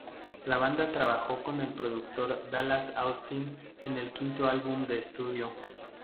La banda trabajó con el productor Dallas Austin en su quinto álbum de estudio.